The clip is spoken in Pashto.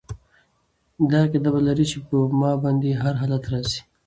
دا عقیده به لري چې په ما باندي هر حالت را ځي